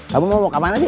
kamu mau kemana ci